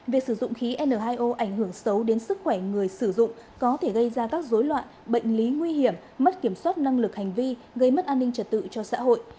việc sử dụng khí n hai o ảnh hưởng xấu đến sức khỏe người sử dụng có thể gây ra các dối loạn bệnh lý nguy hiểm mất kiểm soát năng lực hành vi gây mất an ninh trật tự cho xã hội